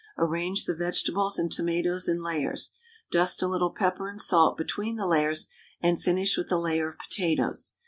Arrange the vegetables and tomatoes in layers; dust a little pepper and salt between the layers, and finish with a layer of potatoes.